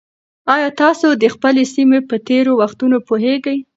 ایا تاسي د خپلې سیمې په تېرو وختونو پوهېږئ؟